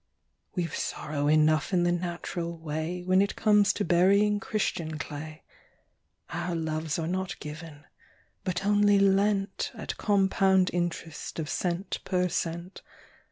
We've sorrow enough in the natural way, When it comes to burying Christian clay. Our loves are not given, but only lent, At compound interest of cent per cent.